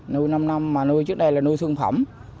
nuôi năm năm mà nuôi trước đây là nuôi thương phẩm